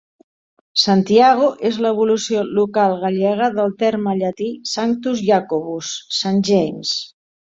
"Santiago" és l"evolució local gallega del terme llatí "Sanctus Iacobus" "Saint James".